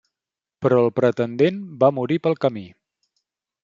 Però el pretendent va morir pel camí.